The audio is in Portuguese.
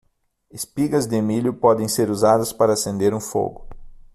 Espigas de milho podem ser usadas para acender um fogo.